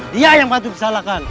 dia yang patut disalahkan